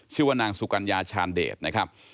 ชื่อว่านางสุกัญญาชาญเดชนะครับ